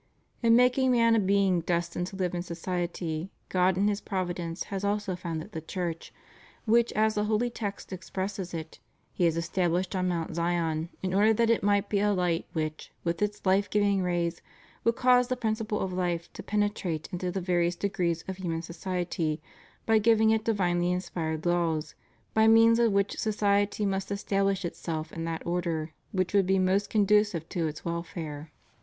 In making man a being destined to Uve in society, God in His providence has also founded the Church, which as the holy text expresses it, He has estabhshed on Mount Zion in order that it might be a light which, with its life giving rays, would cause the principle of Ufe to penetrate into the various degrees of human society by giving it divinely inspired laws, by means of which society might establish itself in that order which would be most con ducive to its welfare.